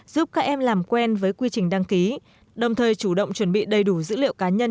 giúp các em làm quen với quy trình đăng ký đồng thời chủ động chuẩn bị đầy đủ dữ liệu cá nhân